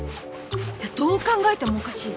いやどう考えてもおかしい